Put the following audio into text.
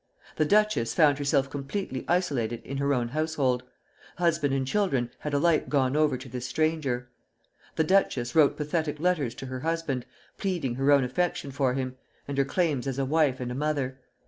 The duchess found herself completely isolated in her own household; husband and children had alike gone over to this stranger. The duchess wrote pathetic letters to her husband, pleading her own affection for him, and her claims as a wife and a mother.